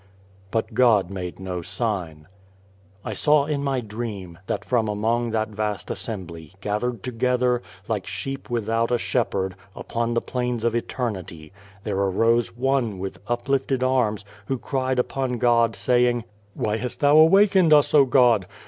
But God made no sign. I saw in my dream, that from among that vast assembly, gathered together like sheep without a shepherd upon the plains of 38 God and the Ant Eternity, there arose one with uplifted arms, who cried upon God, saying : "Why hast Thou awakened us, O God?